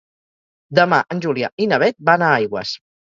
Demà en Julià i na Beth van a Aigües.